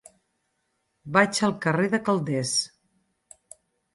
Vaig al carrer de Calders.